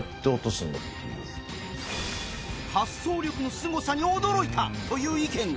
発想力のすごさに驚いたという意見が